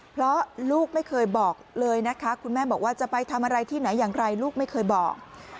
เพราะลูกไม่เคยบอกเลยนะคะคุณแม่บอกว่าจะไปทำอะไรที่ไหนอย่างไรลูกไม่เคยบอก